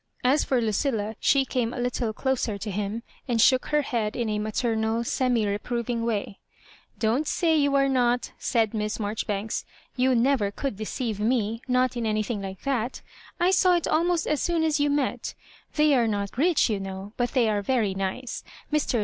As for Lucilla, she came a little closer to him, and shook her head in a maternal, semi reproving way. "Don't say you artf not,'* said Miss Maijori banks; "you never could deceive me — ^not in anything like that I saw it almost as soon as you met They are not rich, yon know, but they are very nice. Mr.